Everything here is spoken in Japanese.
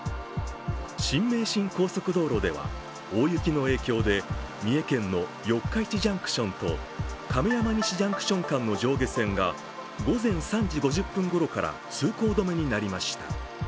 新名神高速道路では大雪の影響で三重県の四日市ジャンクションと亀山西ジャンクション間の上下線が午前３時５０分ごろから通行止めになりました。